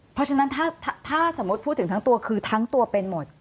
เพราะฉะนั้นถ้าสมมุติพูดถึงทั้งตัวคือทั้งตัวเป็นหมด